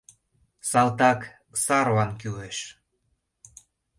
Салтак сарлан кӱлеш.